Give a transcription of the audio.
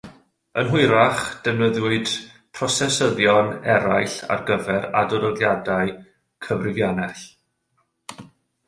Yn hwyrach, defnyddiwyd prosesyddion eraill ar gyfer adolygiadau cyfrifiannell.